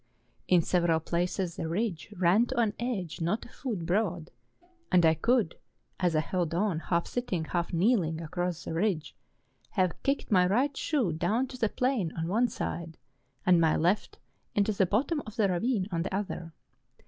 In several places the ridge ran to an edge not a foot broad, and I could, as I held on, half sitting, half¬ kneeling across the ridge, have kicked my right shoe down to the plain on one side, and my left into the bottom of the ravine on the other.